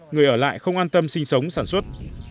người ở lại không an tâm sinh sống sản xuất